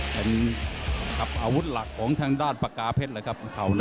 เป็นกับอาวุธหลักของทางด้านปากกาเพชรเลยครับ